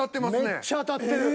めっちゃ当たってる。